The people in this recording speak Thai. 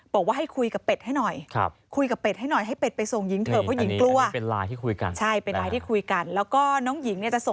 บอกว่าให้คุยกับเป็ดให้หน่อย